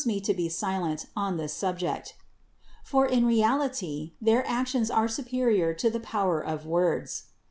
e to be silent on this sub ject; for in reality their actions are superior to the X)OWer of words.